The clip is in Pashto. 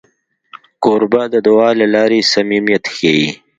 کوربه د دعا له لارې صمیمیت ښيي.